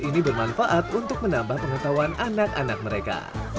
ini bermanfaat untuk menambah pengetahuan anak anak mereka